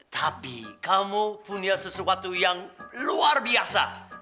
tapi kamu punya sesuatu yang luar biasa